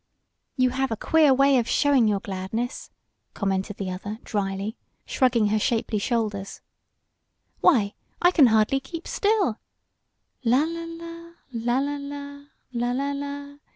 "You have a queer way of showing your gladness," commented the other drily, shrugging her shapely shoulders. "Why, I can hardly keep still. La la la la! La la la la! La la la!"